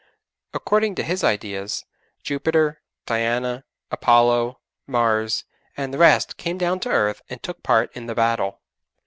According to his ideas, Jupiter, Diana, Apollo, Mars, and the rest came down to earth and took part in the battle.